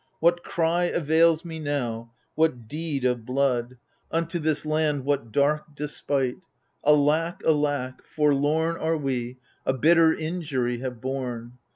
What cry avails me now, what deed of blood. 172 THE FURIES Unto this land what dark despite ? Alack, alack, forlorn Are we, a bitter injury have borne